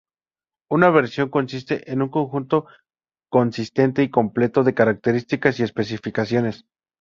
Una versión consiste en un conjunto consistente y completo de características y especificaciones.